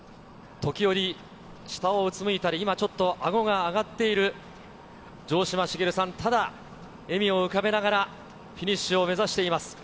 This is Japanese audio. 時折、下をうつむいたり、今ちょっと、あごが上がっている城島茂さん、ただ、笑みを浮かべながらフィニッシュを目指しています。